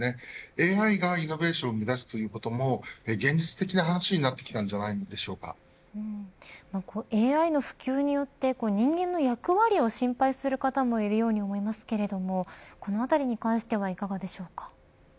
ＡＩがイノベーションを生み出しているということも現実的な話にＡＩの普及によって人間の役割を心配する方もいるように思いますけれどもこの辺りに関してはいかがでしょうか。